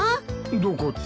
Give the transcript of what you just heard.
どこって？